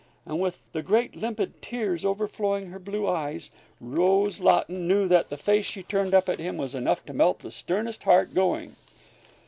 And with the great limpid tears overflowing her blue eyes, Rose Laughton knew that the face she turned up at him was enough to melt the sternest heart going.